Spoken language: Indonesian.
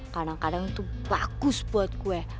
kadang kadang itu bagus buat gue